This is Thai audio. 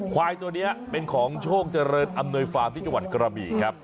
ควายตัวนี้เป็นของโชคเจริญอำนวยฟาร์มที่จังหวัดกระบี่ครับ